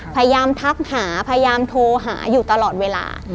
พยายามทักหาพยายามโทรหาอยู่ตลอดเวลา